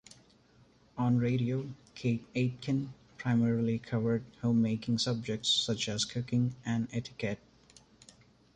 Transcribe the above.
On radio, Kate Aitken primarily covered homemaking subjects such as cooking and etiquette.